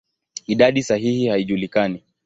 Idadi sahihi haijulikani.